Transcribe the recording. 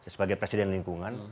sebagai presiden lingkungan